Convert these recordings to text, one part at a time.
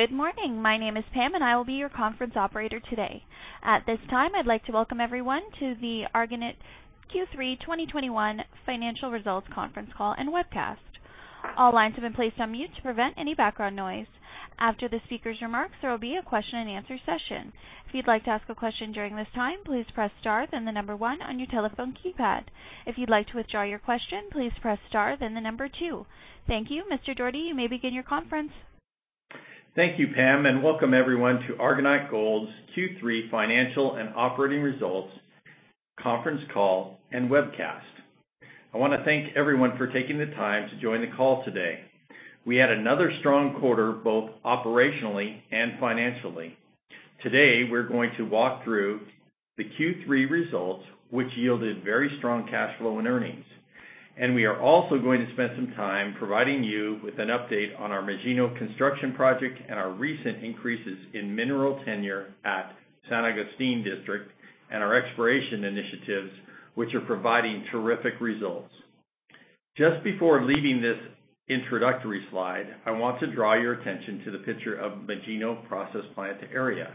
Good morning. My name is Pam, and I will be your conference operator today. At this time, I'd like to welcome everyone to the Argonaut Q3 2021 Financial Results Conference Call and Webcast. All lines have been placed on mute to prevent any background noise. After the speaker's remarks, there will be a question and answer session. If you'd like to ask a question during this time, please press star then the number one on your telephone keypad. If you'd like to withdraw your question, please press star then the number two. Thank you. Mr. Doherty, you may begin your conference. Thank you, Pam, and welcome everyone to Argonaut Gold's Q3 financial and operating results conference call and webcast. I wanna thank everyone for taking the time to join the call today. We had another strong quarter, both operationally and financially. Today, we're going to walk through the Q3 results, which yielded very strong cash flow and earnings. We are also going to spend some time providing you with an update on our Magino Construction project and our recent increases in mineral tenure at San Agustin district and our exploration initiatives, which are providing terrific results. Just before leaving this introductory slide, I want to draw your attention to the picture of Magino process plant area.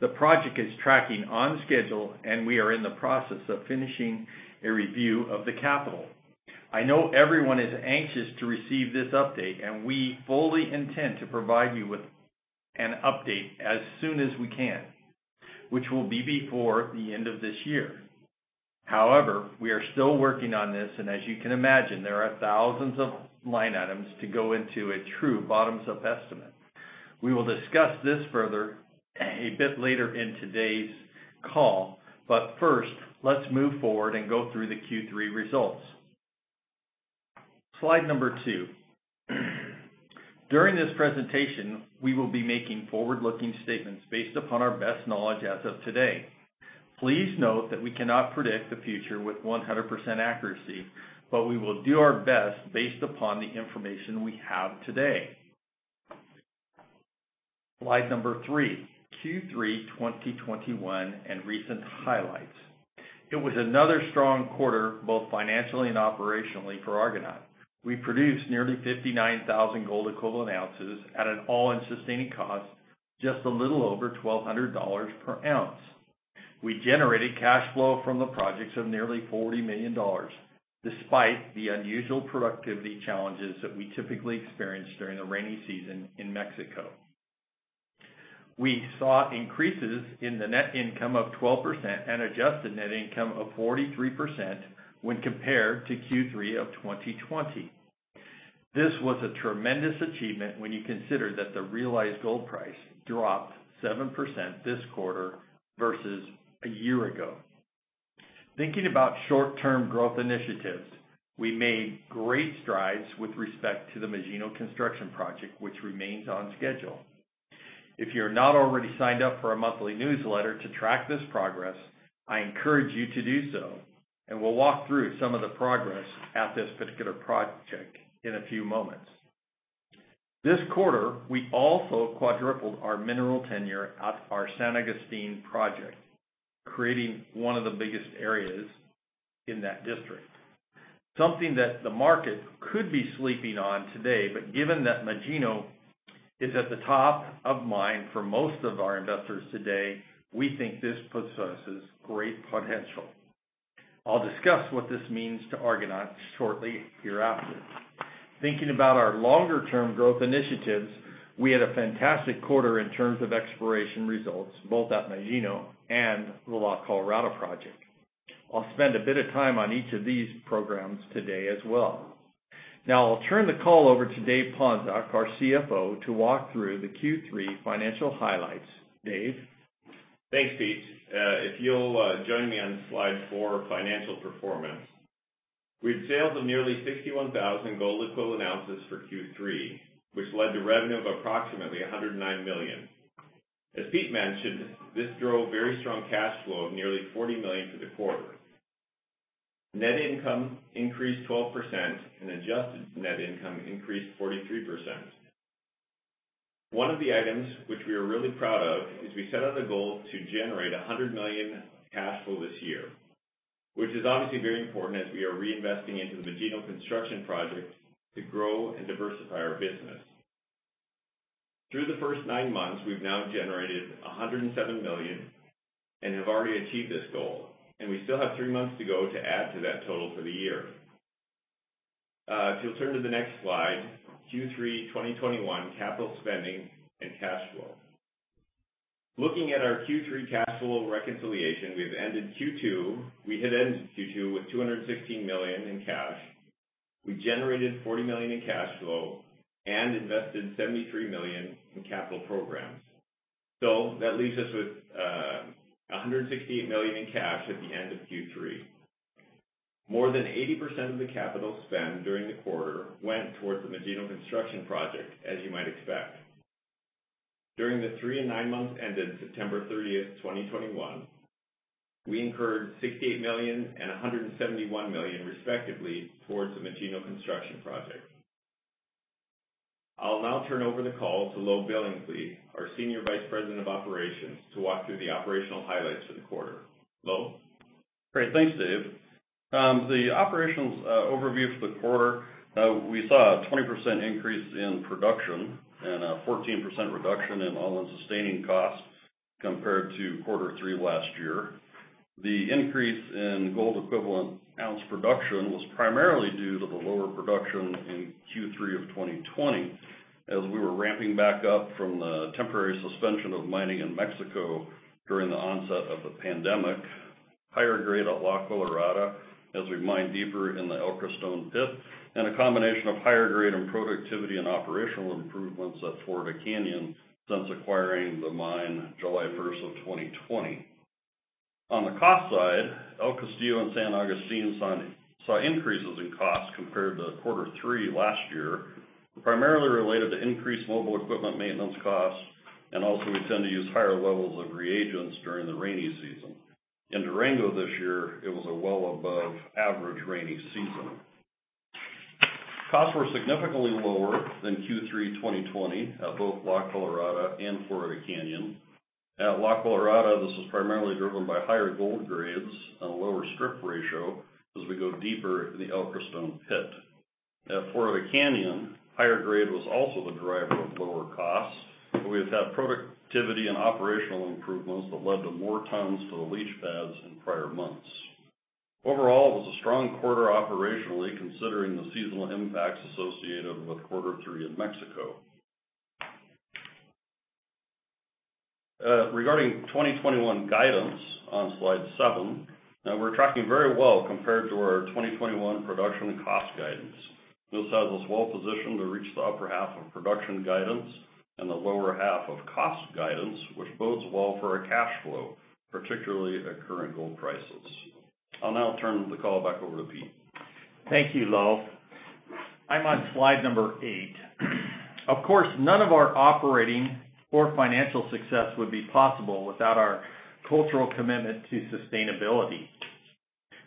The project is tracking on schedule, and we are in the process of finishing a review of the capital. I know everyone is anxious to receive this update, and we fully intend to provide you with an update as soon as we can, which will be before the end of this year. However, we are still working on this, and as you can imagine, there are thousands of line items to go into a true bottoms-up estimate. We will discuss this further a bit later in today's call, but first, let's move forward and go through the Q3 results. Slide number two. During this presentation, we will be making forward-looking statements based upon our best knowledge as of today. Please note that we cannot predict the future with 100% accuracy, but we will do our best based upon the information we have today. Slide number three, Q3 2021 and recent highlights. It was another strong quarter, both financially and operationally for Argonaut. We produced nearly 59,000 gold equivalent ounces at an all-in sustaining cost, just a little over $1,200 per ounce. We generated cash flow from the projects of nearly $40 million, despite the unusual productivity challenges that we typically experience during the rainy season in Mexico. We saw increases in the net income of 12% and adjusted net income of 43% when compared to Q3 of 2020. This was a tremendous achievement when you consider that the realized gold price dropped 7% this quarter versus a year ago. Thinking about short-term growth initiatives, we made great strides with respect to the Magino Construction project, which remains on schedule. If you're not already signed up for our monthly newsletter to track this progress, I encourage you to do so, and we'll walk through some of the progress at this particular project in a few moments. This quarter, we also quadrupled our mineral tenure at our San Agustin project, creating one of the biggest areas in that district. Something that the market could be sleeping on today, but given that Magino is at the top of mind for most of our investors today, we think this possesses great potential. I'll discuss what this means to Argonaut shortly hereafter. Thinking about our longer term growth initiatives, we had a fantastic quarter in terms of exploration results, both at Magino and the La Colorada project. I'll spend a bit of time on each of these programs today as well. Now, I'll turn the call over to David Ponczoch, our CFO, to walk through the Q3 financial highlights. David? Thanks, Pete. If you'll join me on slide four, financial performance. We had sales of nearly 61,000 gold equivalent ounces for Q3, which led to revenue of approximately $109 million. As Pete mentioned, this drove very strong cash flow of nearly $40 million for the quarter. Net income increased 12% and adjusted net income increased 43%. One of the items which we are really proud of is we set out a goal to generate $100 million cash flow this year, which is obviously very important as we are reinvesting into the Magino Construction project to grow and diversify our business. Through the first nine months, we've now generated $107 million and have already achieved this goal, and we still have three months to go to add to that total for the year. If you'll turn to the next slide, Q3 2021 capital spending and cash flow. Looking at our Q3 cash flow reconciliation, we had ended Q2 with $216 million in cash. We generated $40 million in cash flow and invested $73 million in capital programs. That leaves us with $168 million in cash at the end of Q3. More than 80% of the capital spent during the quarter went towards the Magino Construction project, as you might expect. During the three and nine months ended September 30th, 2021, we incurred $68 million and $171 million, respectively, towards the Magino Construction project. I'll now turn over the call to Lowe Billingsley, our Senior Vice President of Operations, to walk through the operational highlights for the quarter. Lowe? Great. Thanks, Dave. The operations overview for the quarter, we saw a 20% increase in production and a 14% reduction in all-in sustaining costs compared to quarter three last year. The increase in gold equivalent ounce production was primarily due to the lower production in Q3 of 2020, as we were ramping back up from the temporary suspension of mining in Mexico during the onset of the pandemic. Higher grade at La Colorada as we mine deeper in the El Creston pit, and a combination of higher grade and productivity and operational improvements at Florida Canyon since acquiring the mine July 1st, 2020. On the cost side, El Castillo and San Agustin saw increases in costs compared to quarter three last year, primarily related to increased mobile equipment maintenance costs and also we tend to use higher levels of reagents during the rainy season. In Durango this year, it was a well above average rainy season. Costs were significantly lower than Q3 2020 at both La Colorada and Florida Canyon. At La Colorada, this was primarily driven by higher gold grades and a lower strip ratio as we go deeper in the El Creston pit. At Florida Canyon, higher grade was also the driver of lower costs, but we have had productivity and operational improvements that led to more tons to the leach pads in prior months. Overall, it was a strong quarter operationally, considering the seasonal impacts associated with quarter three in Mexico. Regarding 2021 guidance on slide seven, now we're tracking very well compared to our 2021 production cost guidance. This has us well positioned to reach the upper half of production guidance and the lower half of cost guidance, which bodes well for our cash flow, particularly at current gold prices. I'll now turn the call back over to Pete. Thank you, Lowe. I'm on slide number eight. Of course, none of our operating or financial success would be possible without our cultural commitment to sustainability.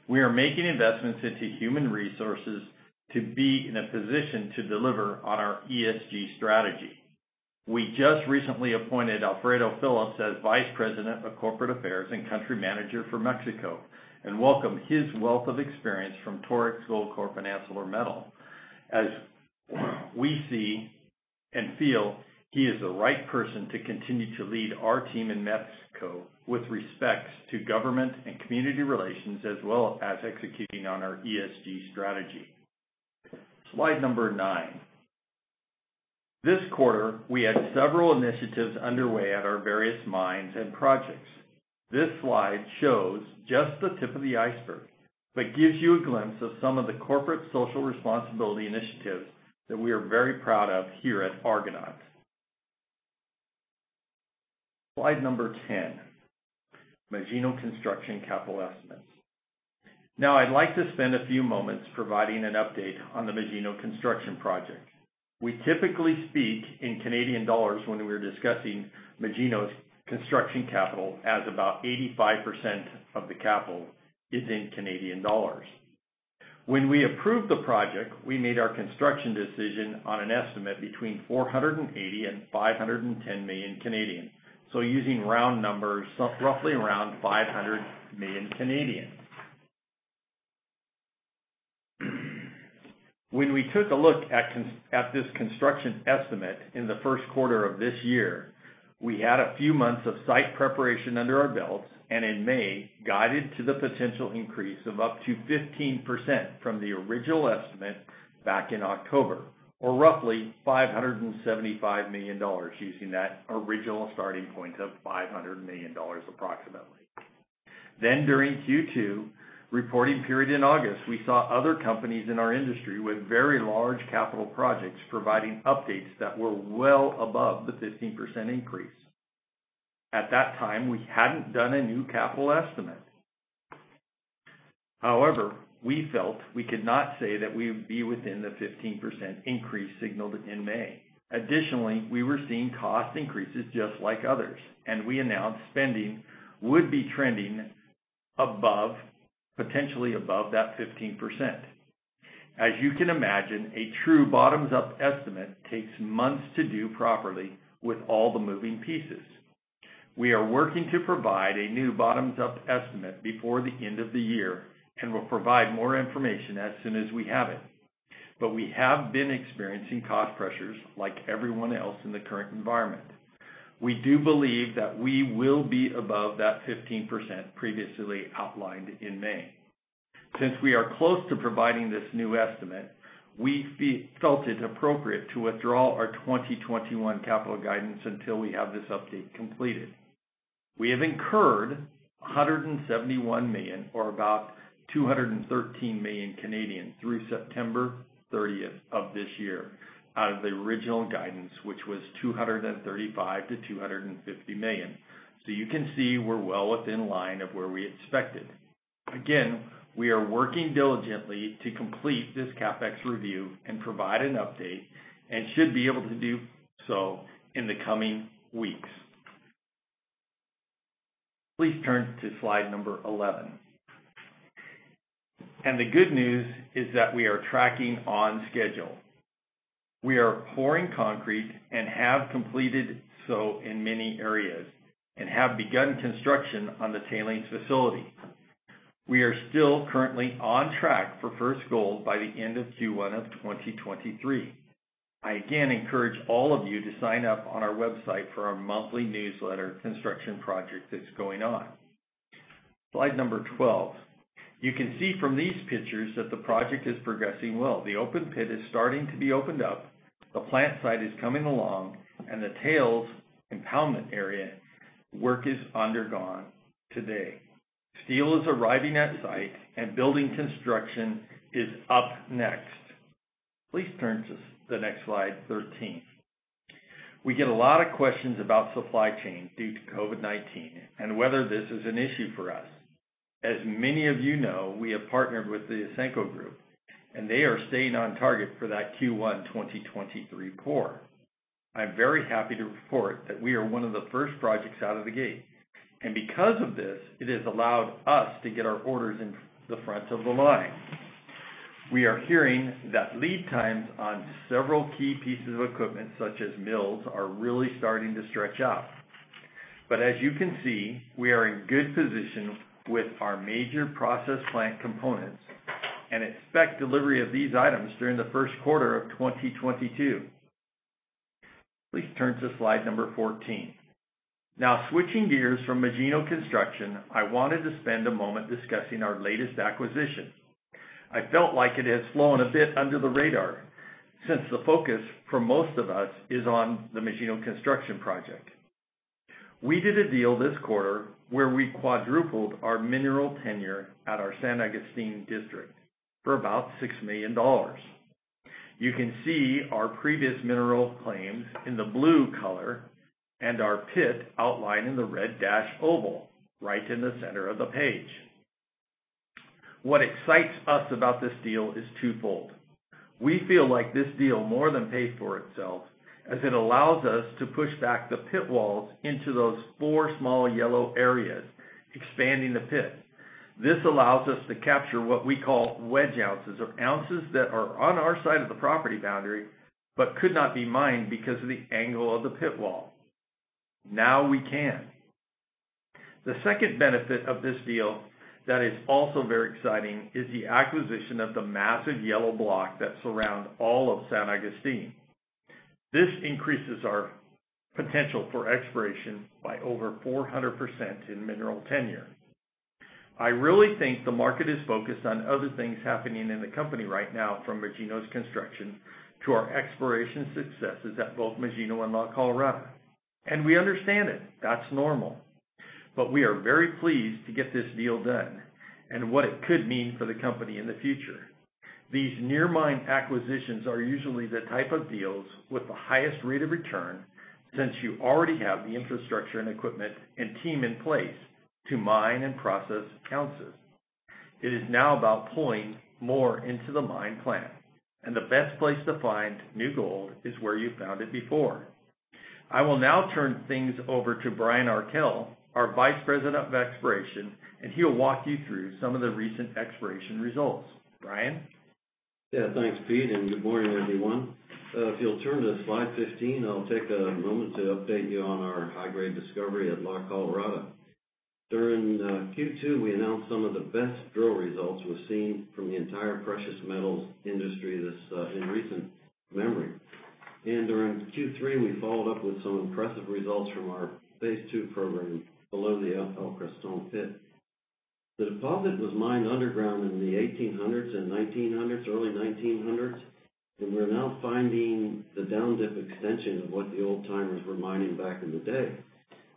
We are making investments into human resources to be in a position to deliver on our ESG strategy. We just recently appointed Alfredo Phillips as Vice President of Corporate Affairs and Country Manager for Mexico, and welcome his wealth of experience from Torex Gold Resources Inc. and ArcelorMittal. As we see and feel he is the right person to continue to lead our team in Mexico with respect to government and community relations, as well as executing on our ESG strategy. Slide number nine. This quarter, we had several initiatives underway at our various mines and projects. This slide shows just the tip of the iceberg, but gives you a glimpse of some of the corporate social responsibility initiatives that we are very proud of here at Argonaut. Slide number 10, Magino Construction capital estimates. Now, I'd like to spend a few moments providing an update on the Magino Construction project. We typically speak in Canadian dollars when we're discussing Magino's construction capital, as about 85% of the capital is in Canadian dollars. When we approved the project, we made our construction decision on an estimate between 480 million and 510 million. Using round numbers, roughly around 500 million. When we took a look at this construction estimate in the first quarter of this year, we had a few months of site preparation under our belts, and in May, guided to the potential increase of up to 15% from the original estimate back in October, or roughly 575 million dollars using that original starting point of 500 million dollars approximately. During Q2 reporting period in August, we saw other companies in our industry with very large capital projects providing updates that were well above the 15% increase. At that time, we hadn't done a new capital estimate. However, we felt we could not say that we would be within the 15% increase signaled in May. Additionally, we were seeing cost increases just like others, and we announced spending would be trending above, potentially above that 15%. As you can imagine, a true bottoms-up estimate takes months to do properly with all the moving pieces. We are working to provide a new bottoms-up estimate before the end of the year and will provide more information as soon as we have it. We have been experiencing cost pressures like everyone else in the current environment. We do believe that we will be above that 15% previously outlined in May. Since we are close to providing this new estimate, we felt it appropriate to withdraw our 2021 capital guidance until we have this update completed. We have incurred $171 million or about 213 million through September 30th of this year out of the original guidance, which was $235 million-$250 million. You can see we're well in line of where we expected. Again, we are working diligently to complete this CapEx review and provide an update, and should be able to do so in the coming weeks. Please turn to slide number 11. The good news is that we are tracking on schedule. We are pouring concrete and have completed so in many areas and have begun construction on the tailings facility. We are still currently on track for first gold by the end of Q1 of 2023. I again encourage all of you to sign up on our website for our monthly newsletter construction project that's going on. Slide number 12. You can see from these pictures that the project is progressing well. The open pit is starting to be opened up, the plant site is coming along, and the tailings impoundment area work is ongoing today. Steel is arriving at site and building construction is up next. Please turn to the next slide, 13. We get a lot of questions about supply chain due to COVID-19 and whether this is an issue for us. As many of you know, we have partnered with the Ausenco Group, and they are staying on target for that Q1 2023 pour. I'm very happy to report that we are one of the first projects out of the gate. Because of this, it has allowed us to get our orders in the front of the line. We are hearing that lead times on several key pieces of equipment, such as mills, are really starting to stretch out. But as you can see, we are in good position with our major process plant components and expect delivery of these items during the first quarter of 2022. Please turn to slide number 14. Now, switching gears from Magino Construction, I wanted to spend a moment discussing our latest acquisition. I felt like it has flown a bit under the radar since the focus for most of us is on the Magino Construction project. We did a deal this quarter where we quadrupled our mineral tenure at our San Agustin district for about $6 million. You can see our previous mineral claims in the blue color and our pit outlined in the red dashed oval right in the center of the page. What excites us about this deal is twofold. We feel like this deal more than pays for itself as it allows us to push back the pit walls into those four small yellow areas, expanding the pit. This allows us to capture what we call wedge ounces or ounces that are on our side of the property boundary but could not be mined because of the angle of the pit wall. Now we can. The second benefit of this deal that is also very exciting is the acquisition of the massive yellow block that surround all of San Agustin. This increases our potential for exploration by over 400% in mineral tenure. I really think the market is focused on other things happening in the company right now from Magino's construction to our exploration successes at both Magino and La Colorada. We understand it. That's normal. We are very pleased to get this deal done and what it could mean for the company in the future. These near mine acquisitions are usually the type of deals with the highest rate of return since you already have the infrastructure and equipment and team in place to mine and process ounces. It is now about pulling more into the mine plan, and the best place to find new gold is where you found it before. I will now turn things over to Brian Arkell, our Vice President of Exploration, and he will walk you through some of the recent exploration results. Brian? Yeah. Thanks, Pete, and good morning, everyone. If you'll turn to slide 15, I'll take a moment to update you on our high-grade discovery at La Colorada. During Q2, we announced some of the best drill results we've seen from the entire precious metals industry this in recent memory. During Q3, we followed up with some impressive results from our Phase 2 program below the El Creston pit. The deposit was mined underground in the 1800s and early 1900s, and we're now finding the down-dip extension of what the old-timers were mining back in the day.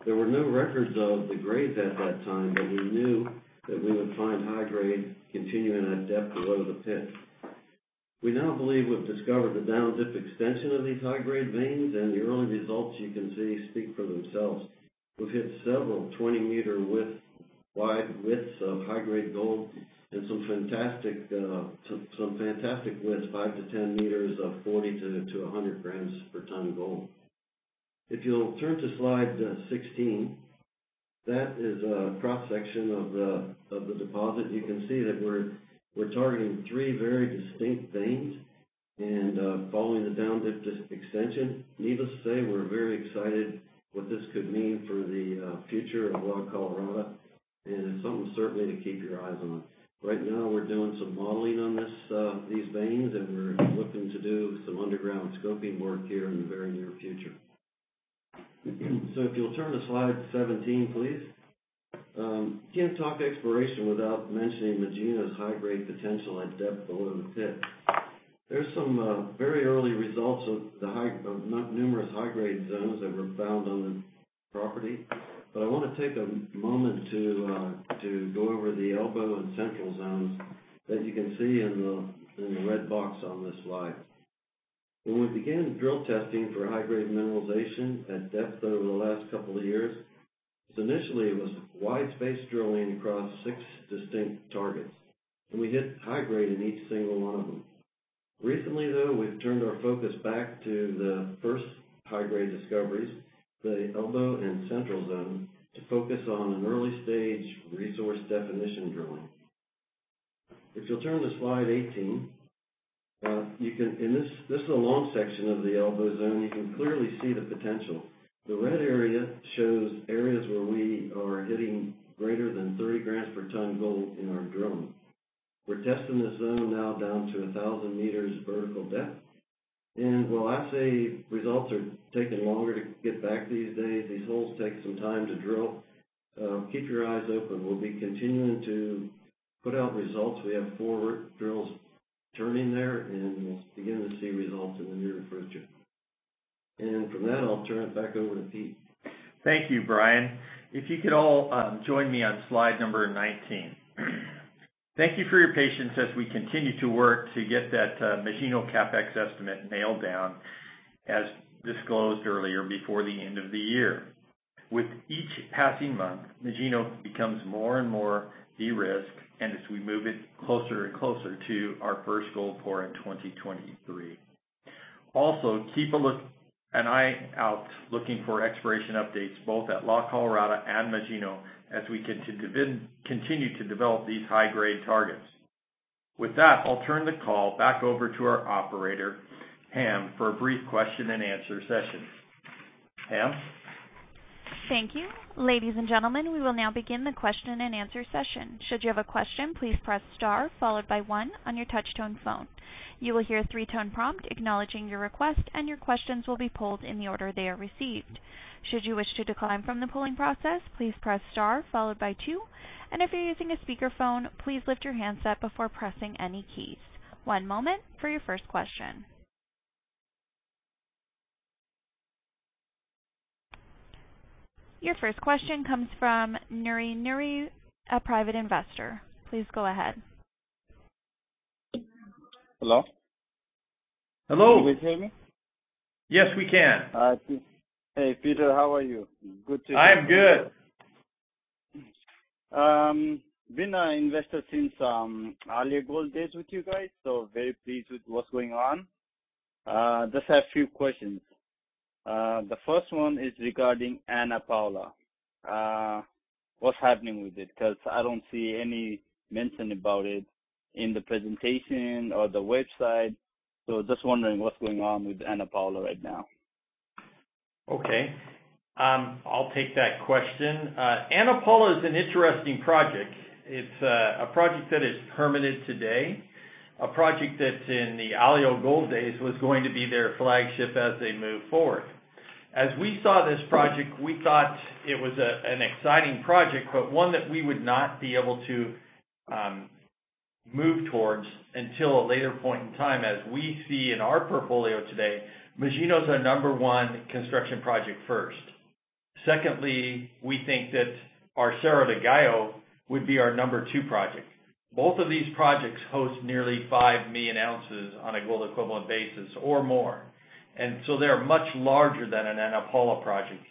There were no records of the grades at that time, but we knew that we would find high grade continuing at depth below the pit. We now believe we've discovered the down-dip extension of these high-grade veins, and the early results you can see speak for themselves. We've hit several 20-meter-wide widths of high-grade gold and some fantastic widths, five-10 meters of 40-100 grams per tonne gold. If you'll turn to slide 16, that is a cross-section of the deposit. You can see that we're targeting three very distinct veins and following the down-dip extension. Needless to say, we're very excited about what this could mean for the future of La Colorada, and it's something certainly to keep your eyes on. Right now, we're doing some modeling on these veins, and we're looking to do some underground scoping work here in the very near future. If you'll turn to slide 17, please. Can't talk exploration without mentioning Magino's high-grade potential at depth below the pit. There's some very early results of numerous high-grade zones that were found on the property. I wanna take a moment to go over the Elbow and Central zones, as you can see in the red box on this slide. When we began drill testing for high-grade mineralization at depth over the last couple of years, it initially was wide-space drilling across six distinct targets, and we hit high grade in each single one of them. Recently though, we've turned our focus back to the first high-grade discoveries, the Elbow and Central zone, to focus on an early-stage resource definition drilling. If you'll turn to slide 18, you can. In this is a long section of the Elbow zone. You can clearly see the potential. The red area shows areas where we are hitting greater than 30 grams per tonne gold in our drilling. We're testing the zone now down to 1,000 meters vertical depth. While I say results are taking longer to get back these days, these holes take some time to drill. Keep your eyes open. We'll be continuing to put out results. We have four drills turning there, and we'll begin to see results in the near future. From that, I'll turn it back over to Pete. Thank you, Brian. If you could all join me on slide number 19. Thank you for your patience as we continue to work to get that Magino CapEx estimate nailed down as disclosed earlier, before the end of the year. With each passing month, Magino becomes more and more de-risked, and as we move it closer and closer to our first gold pour in 2023. Also, keep an eye out for exploration updates both at La Colorada and Magino as we continue to develop these high-grade targets. With that, I'll turn the call back over to our operator, Pam, for a brief question and answer session. Pam? Thank you. Ladies and gentlemen, we will now begin the question and answer session. Should you have a question, please press star followed by one on your touch-tone phone. You will hear a three-tone prompt acknowledging your request, and your questions will be pulled in the order they are received. Should you wish to decline from the polling process, please press star followed by two. If you're using a speakerphone, please lift your handset before pressing any keys. One moment for your first question. Your first question comes from Nuri. Nuri, a private investor. Please go ahead. Hello? Hello. Can you guys hear me? Yes, we can. All right, good. Hey, Pete, how are you? Good to- I'm good. I've been an investor since earlier gold days with you guys, so very pleased with what's going on. Just have a few questions. The first one is regarding Ana Paula. What's happening with it? 'Cause I don't see any mention about it in the presentation or the website. Just wondering what's going on with Ana Paula right now. Okay. I'll take that question. Ana Paula is an interesting project. It's a project that is permitted today. A project that in the Alio Gold days was going to be their flagship as they move forward. As we saw this project, we thought it was an exciting project, but one that we would not be able to move towards until a later point in time, as we see in our portfolio today. Magino is our number one construction project first. Secondly, we think that our Cerro del Gallo would be our number two project. Both of these projects host nearly 5 million ounces on a gold equivalent basis or more. They are much larger than an Ana Paula project.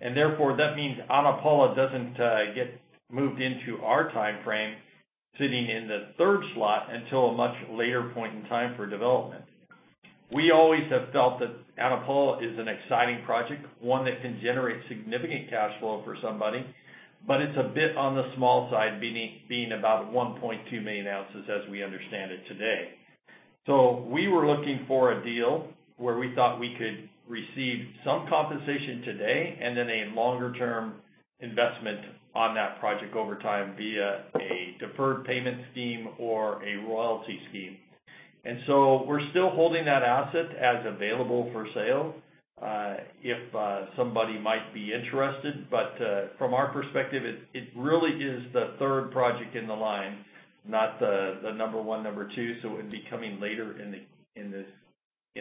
Therefore, that means Ana Paula doesn't get moved into our timeframe, sitting in the third slot until a much later point in time for development. We always have felt that Ana Paula is an exciting project, one that can generate significant cash flow for somebody, but it's a bit on the small side, being about 1.2 million ounces as we understand it today. We were looking for a deal where we thought we could receive some compensation today and then a longer-term investment on that project over time via a deferred payment scheme or a royalty scheme. We're still holding that asset as available for sale, if somebody might be interested. From our perspective, it really is the third project in the line, not the number one, number two. It would be coming later in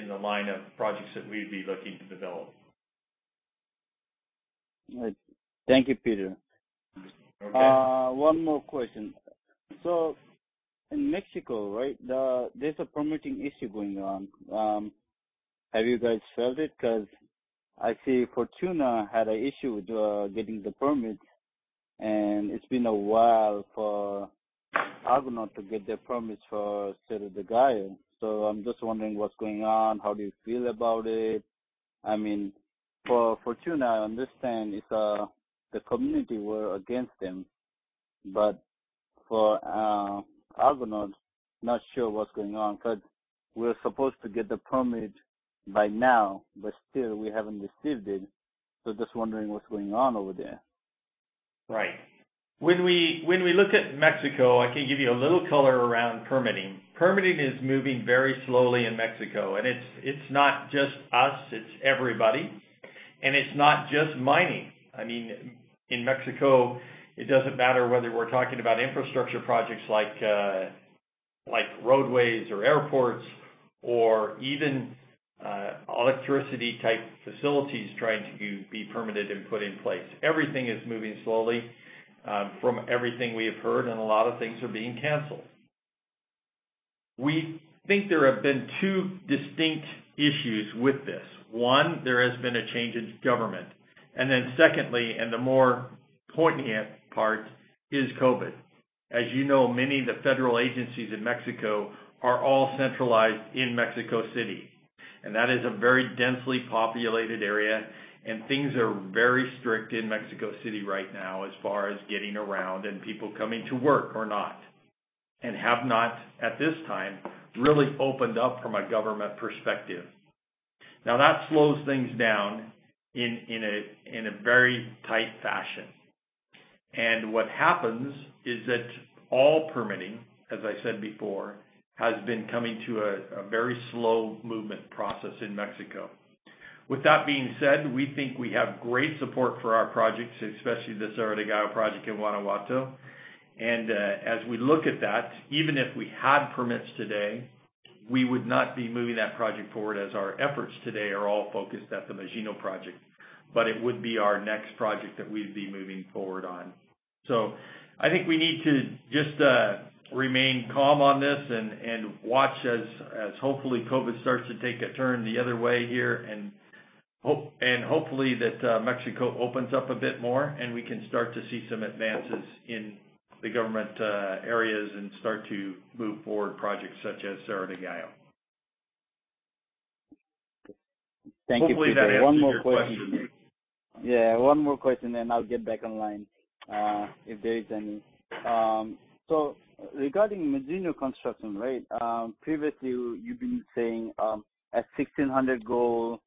the line of projects that we'd be looking to develop. Thank you, Pete. Okay. One more question. In Mexico, right, there's a permitting issue going on. Have you guys felt it? 'Cause I see Fortuna had an issue with getting the permit, and it's been a while for Argonaut to get their permits for Cerro del Gallo. I'm just wondering what's going on. How do you feel about it? I mean, for Fortuna, I understand it's the community were against them, but for Argonaut, not sure what's going on. We're supposed to get the permit by now, but still we haven't received it. Just wondering what's going on over there. Right. When we look at Mexico, I can give you a little color around permitting. Permitting is moving very slowly in Mexico, and it's not just us, it's everybody. It's not just mining. I mean, in Mexico, it doesn't matter whether we're talking about infrastructure projects like roadways or airports or even electricity type facilities trying to be permitted and put in place. Everything is moving slowly from everything we have heard, and a lot of things are being canceled. We think there have been two distinct issues with this. One, there has been a change in government. Then secondly, the more poignant part is COVID. As you know, many of the federal agencies in Mexico are all centralized in Mexico City, and that is a very densely populated area, and things are very strict in Mexico City right now as far as getting around and people coming to work or not, and have not, at this time, really opened up from a government perspective. Now, that slows things down in a very tight fashion. What happens is that all permitting, as I said before, has been coming to a very slow movement process in Mexico. With that being said, we think we have great support for our projects, especially the Cerro del Gallo project in Guanajuato. As we look at that, even if we had permits today, we would not be moving that project forward as our efforts today are all focused at the Magino project, but it would be our next project that we'd be moving forward on. I think we need to just remain calm on this and watch as hopefully COVID starts to take a turn the other way here and hopefully that Mexico opens up a bit more and we can start to see some advances in the government areas and start to move forward projects such as Cerro del Gallo. Thank you, Pete. Hopefully that answers your question, Nuri. One more question. Yeah, one more question, then I'll get back in line, if there is any. So regarding Magino Construction rate, previously you've been saying, at $1,600 gold,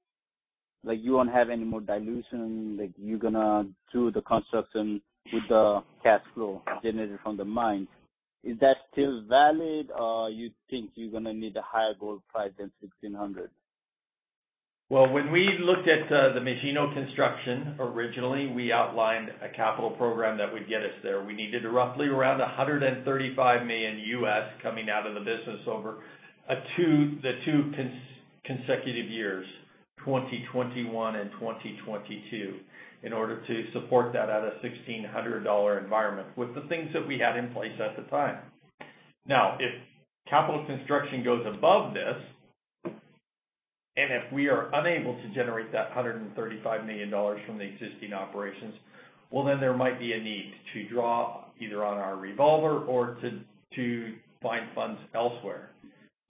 like, you won't have any more dilution, like, you're gonna do the construction with the cash flow generated from the mine. Is that still valid or you think you're gonna need a higher gold price than $1,600? Well, when we looked at the Magino Construction, originally, we outlined a capital program that would get us there. We needed roughly around $135 million coming out of the business over the two consecutive years, 2021 and 2022, in order to support that at a $1,600 environment with the things that we had in place at the time. Now, if capital construction goes above this, and if we are unable to generate that $135 million from the existing operations, well, then there might be a need to draw either on our revolver or to find funds elsewhere.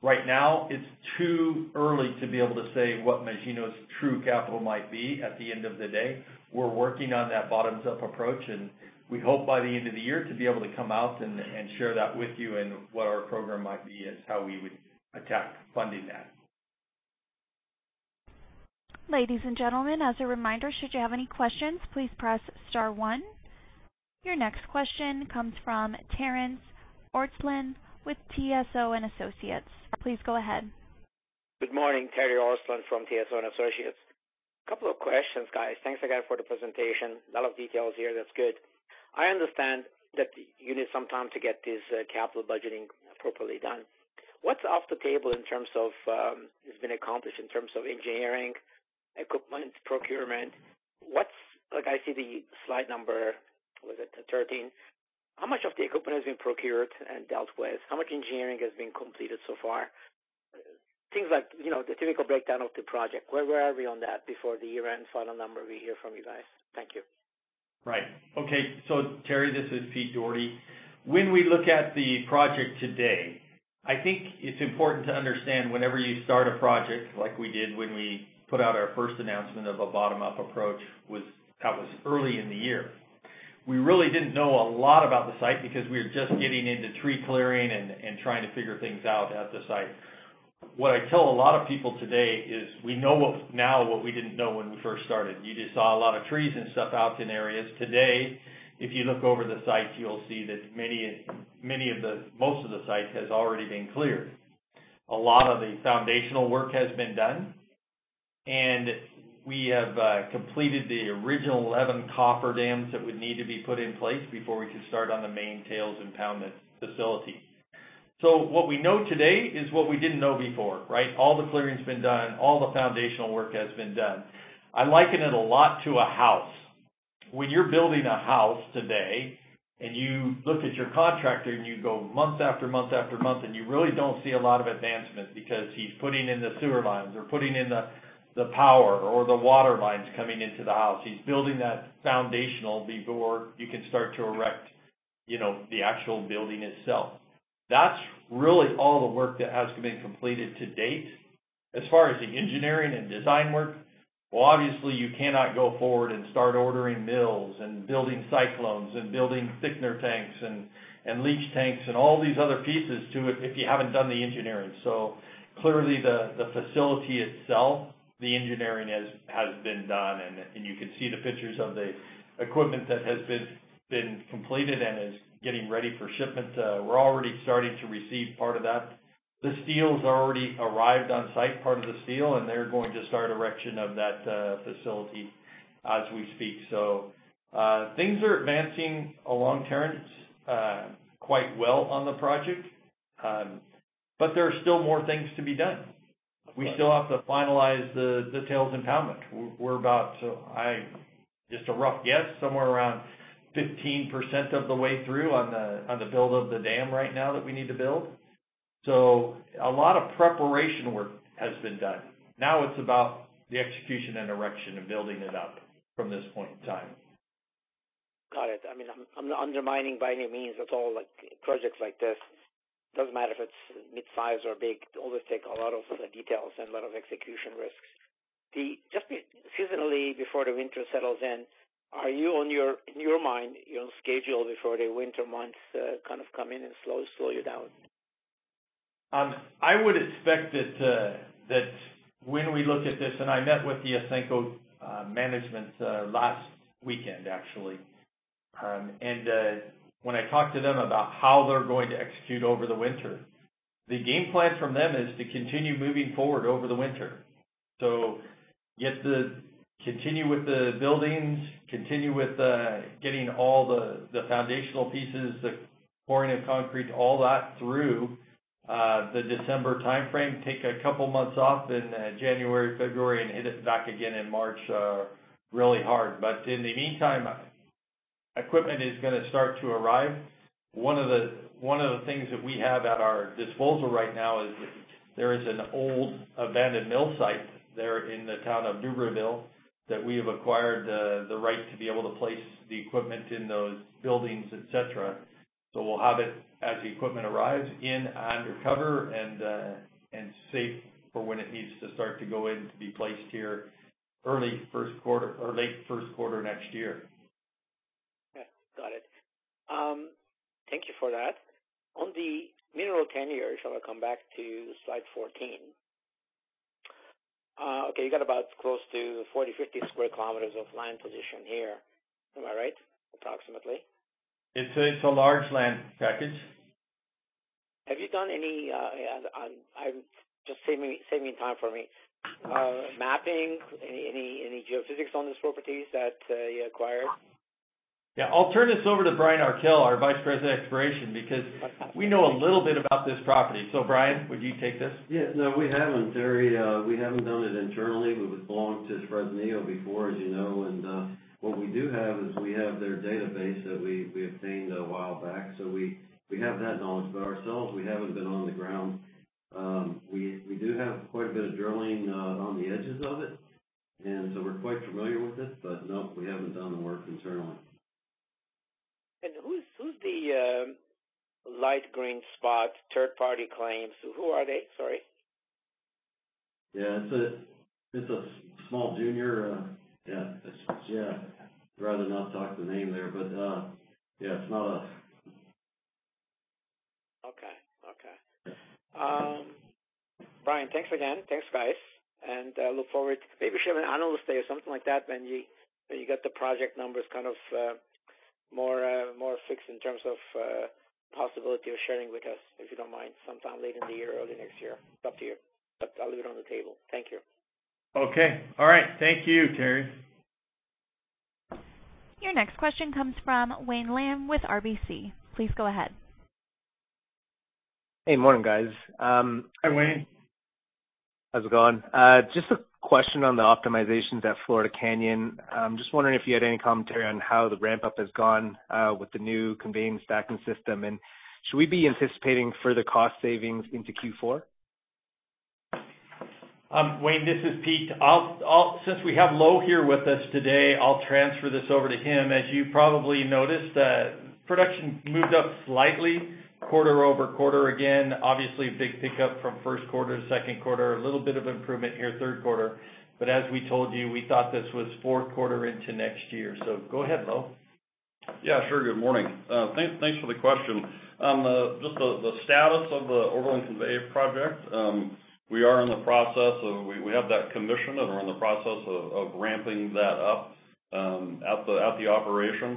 Right now, it's too early to be able to say what Magino's true capital might be at the end of the day. We're working on that bottoms-up approach, and we hope by the end of the year to be able to come out and share that with you and what our program might be as how we would attack funding that. Ladies and gentlemen, as a reminder, should you have any questions, please press star one. Your next question comes from Terence Ortslan with TSO and Associates. Please go ahead. Good morning, Terry Ortslan from TSO and Associates. A couple of questions, guys. Thanks again for the presentation. A lot of details here. That's good. I understand that you need some time to get this, capital budgeting properly done. What's off the table in terms of, has been accomplished in terms of engineering, equipment procurement? What's like, I see the slide number, was it 13? How much of the equipment has been procured and dealt with? How much engineering has been completed so far? Things like, you know, the typical breakdown of the project. Where are we on that before the year-end final number we hear from you guys. Thank you. Right. Okay. Terry, this is Pete Dougherty. When we look at the project today, I think it's important to understand whenever you start a project like we did when we put out our first announcement of a bottom-up approach was, that was early in the year. We really didn't know a lot about the site because we were just getting into tree clearing and trying to figure things out at the site. What I tell a lot of people today is we know now what we didn't know when we first started. You just saw a lot of trees and stuff out in areas. Today, if you look over the site, you'll see that most of the site has already been cleared. A lot of the foundational work has been done, and we have completed the original 11 cofferdams that would need to be put in place before we could start on the main tailings impoundment facility. What we know today is what we didn't know before, right? All the clearing's been done, all the foundational work has been done. I liken it a lot to a house. When you're building a house today and you look at your contractor and you go month after month after month, and you really don't see a lot of advancement because he's putting in the sewer lines or putting in the power or the water lines coming into the house. He's building that foundational before you can start to erect, you know, the actual building itself. That's really all the work that has been completed to date. As far as the engineering and design work, well, obviously, you cannot go forward and start ordering mills and building cyclones and building thickener tanks and leach tanks and all these other pieces to it if you haven't done the engineering. Clearly, the facility itself, the engineering has been done and you can see the pictures of the equipment that has been completed and is getting ready for shipment. We're already starting to receive part of that. The steel's already arrived on site, part of the steel, and they're going to start erection of that facility as we speak. Things are advancing along, Terence, quite well on the project. There are still more things to be done. We still have to finalize the tailings impoundment. We're about to, I... Just a rough guess, somewhere around 15% of the way through on the build of the dam right now that we need to build. A lot of preparation work has been done. Now it's about the execution and erection and building it up from this point in time. Got it. I mean, I'm not undermining by any means at all, like, projects like this. Doesn't matter if it's midsize or big, they always take a lot of the details and a lot of execution risks. Just seasonally, before the winter settles in, are you, in your mind, on schedule before the winter months kind of come in and slow you down? I would expect that when we look at this, I met with the Ausenco management last weekend, actually. When I talked to them about how they're going to execute over the winter, the game plan from them is to continue moving forward over the winter. Continue with the buildings, continue with getting all the foundational pieces, the pouring of concrete, all that through the December timeframe. Take a couple months off in January, February, and hit it back again in March, really hard. In the meantime, equipment is gonna start to arrive. One of the things that we have at our disposal right now is there is an old abandoned mill site there in the town of Dubreuilville that we have acquired the right to be able to place the equipment in those buildings, et cetera. We'll have it as the equipment arrives in under cover and safe for when it needs to start to go in to be placed here early first quarter or late first quarter next year. Yeah. Got it. Thank you for that. On the mineral concessions, if I come back to slide 14. Okay, you got about close to 40-50 sq km of land position here. Am I right, approximately? It's a large land package. Have you done any? I'm just saving time for me. Mapping any geophysics on these properties that you acquired? Yeah. I'll turn this over to Brian Arkell, our Vice President of Exploration, because we know a little bit about this property. Brian, would you take this? Yeah. No, we haven't, Terry. We haven't done it internally. It belonged to Fresnillo before, as you know, and what we do have is we have their database that we obtained a while back. So we have that knowledge, but ourselves, we haven't been on the ground. We do have quite a bit of drilling on the edges of it, and so we're quite familiar with it, but no, we haven't done the work internally. Who's the light green spot, third-party claims? Who are they? Sorry. Yeah, it's a small junior. Yeah, I'd rather not talk the name there, but yeah, it's not a. Okay. Okay. Yeah. Brian, thanks again. Thanks, guys, and look forward to maybe sharing an Analyst Day or something like that when you get the project numbers kind of more fixed in terms of possibility of sharing with us, if you don't mind, sometime late in the year, early next year. It's up to you, but I'll leave it on the table. Thank you. Okay. All right. Thank you, Terry. Your next question comes from Wayne Lam with RBC. Please go ahead. Hey, morning guys. Hi, Wayne. How's it going? Just a question on the optimizations at Florida Canyon. Just wondering if you had any commentary on how the ramp up has gone, with the new conveyance stacking system, and should we be anticipating further cost savings into Q4? Wayne, this is Pete. Since we have Lowe here with us today, I'll transfer this over to him. As you probably noticed, production moved up slightly quarter-over-quarter again. Obviously, a big pickup from first quarter to second quarter. A little bit of improvement here, third quarter. As we told you, we thought this was fourth quarter into next year. Go ahead, Lowe. Yeah, sure. Good morning. Thanks for the question. Just the status of the overland conveyor project. We have that commission and we're in the process of ramping that up at the operation.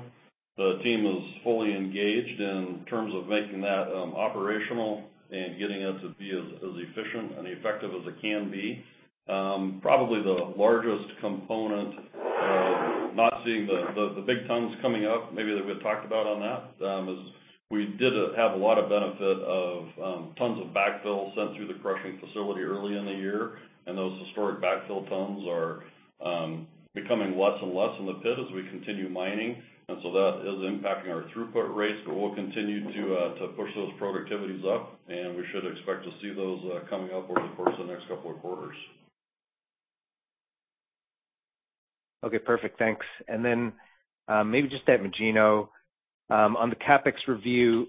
The team is fully engaged in terms of making that operational and getting it to be as efficient and effective as it can be. Probably the largest component of not seeing the big tons coming up, maybe that we had talked about on that, is we did have a lot of benefit of tons of backfill sent through the crushing facility early in the year, and those historic backfill tons are becoming less and less in the pit as we continue mining. That is impacting our throughput rates. We'll continue to push those productivities up, and we should expect to see those coming up over the course of the next couple of quarters. Okay. Perfect. Thanks. Maybe just at Magino. On the CapEx review,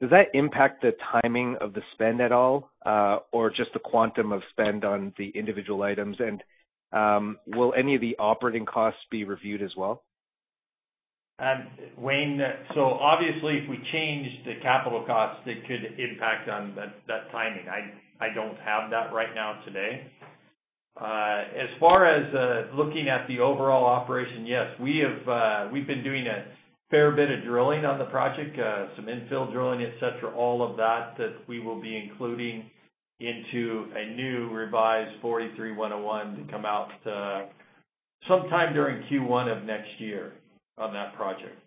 does that impact the timing of the spend at all, or just the quantum of spend on the individual items? Will any of the operating costs be reviewed as well? Wayne, obviously if we change the capital costs, it could impact on that timing. I don't have that right now today. As far as looking at the overall operation, yes, we've been doing a fair bit of drilling on the project, some infill drilling, et cetera, all of that we will be including into a new revised 43-101 to come out sometime during Q1 of next year on that project.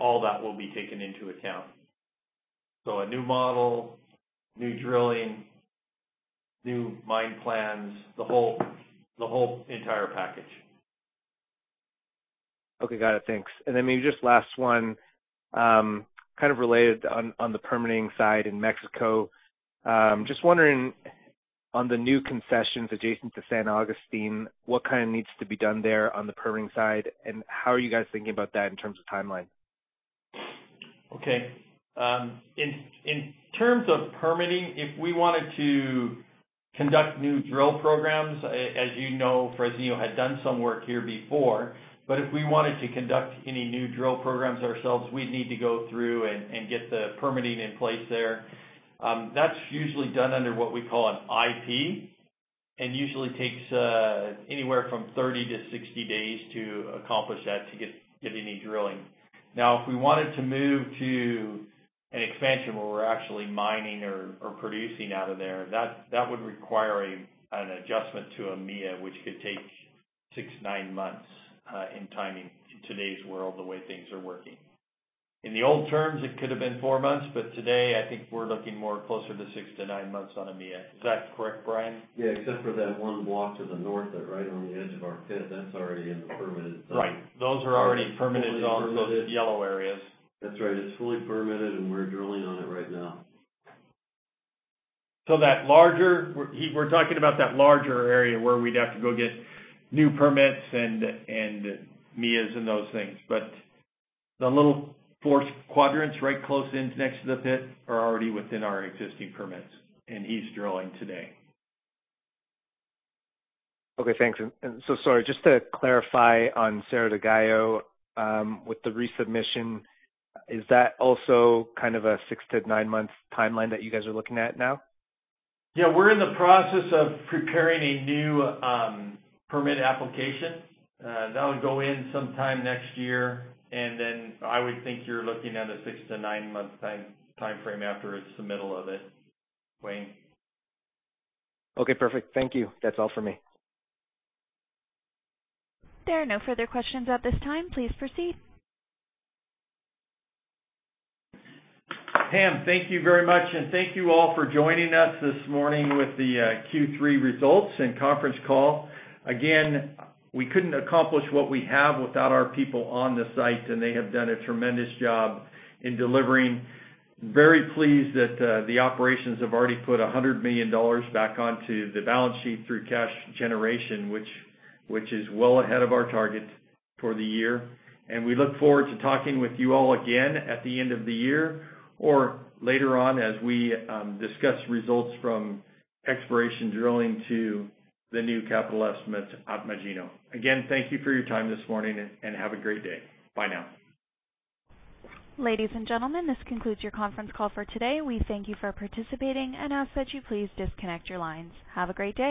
All that will be taken into account. A new model, new drilling, new mine plans, the whole entire package. Okay. Got it. Thanks. Then maybe just last one, kind of related on the permitting side in Mexico. Just wondering on the new concessions adjacent to San Agustin, what kind of needs to be done there on the permitting side, and how are you guys thinking about that in terms of timeline? Okay. In terms of permitting, if we wanted to conduct new drill programs, as you know, Fresnillo had done some work here before. If we wanted to conduct any new drill programs ourselves, we'd need to go through and get the permitting in place there. That's usually done under what we call an IP, and usually takes anywhere from 30 to 60 days to accomplish that to get any drilling. Now, if we wanted to move to an expansion where we're actually mining or producing out of there, that would require an adjustment to a MIA, which could take six to nine months in timing in today's world, the way things are working. In the old terms, it could have been four months. Today I think we're looking more closer to six to nine months on a MIA. Is that correct, Brian? Yeah, except for that one block to the north that's right on the edge of our pit, that's already in the permitted zone. Right. Those are already permitted zones. Fully permitted. Those yellow areas. That's right. It's fully permitted and we're drilling on it right now. We're talking about that larger area where we'd have to go get new permits and MIAs and those things. The little four quadrants right close in next to the pit are already within our existing permits, and he's drilling today. Okay, thanks. Sorry, just to clarify on Cerro del Gallo, with the resubmission, is that also kind of a six to nine-month timeline that you guys are looking at now? Yeah. We're in the process of preparing a new permit application. That would go in sometime next year. Then I would think you're looking at a six to nine-month timeframe after its submittal of it. Wayne? Okay, perfect. Thank you. That's all for me. There are no further questions at this time. Please proceed. Pam, thank you very much, and thank you all for joining us this morning with the Q3 results and conference call. Again, we couldn't accomplish what we have without our people on the site, and they have done a tremendous job in delivering. Very pleased that the operations have already put $100 million back onto the balance sheet through cash generation, which is well ahead of our targets for the year. We look forward to talking with you all again at the end of the year or later on as we discuss results from exploration drilling to the new capital estimate at Magino. Again, thank you for your time this morning and have a great day. Bye now. Ladies and gentlemen, this concludes your conference call for today. We thank you for participating and ask that you please disconnect your lines. Have a great day.